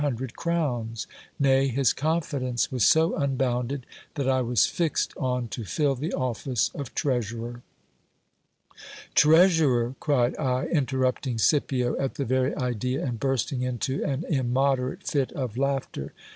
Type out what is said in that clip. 385 dred crowns ; nay, his confidence was so unbounded, that I was fixed on to fill the office of treasurer. Treasurer ! cried I, interrupting Scipio at the very idea, and bursting into an immoderate fit of laughter.